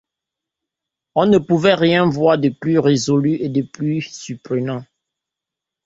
On ne pouvait rien voir de plus résolu et de plus surprenant.